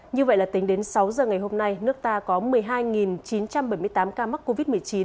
như vậy là tính đến sáu giờ ngày hôm nay nước ta có một mươi hai chín trăm bảy mươi tám ca mắc covid một mươi chín